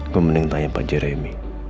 gue mending tanya pak jeremy